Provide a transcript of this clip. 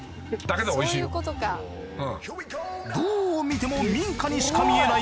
どう見ても民家にしか見えない